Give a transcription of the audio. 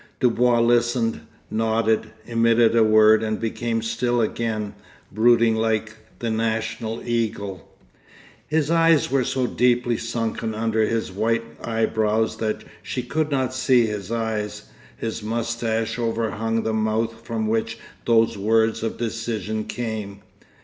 Dubois listened, nodded, emitted a word and became still again, brooding like the national eagle. His eyes were so deeply sunken under his white eyebrows that she could not see his eyes; his moustache overhung the mouth from which those words of decision came.